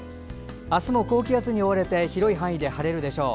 明日も高気圧に覆われて広い範囲で晴れるでしょう。